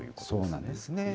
そうなんですね。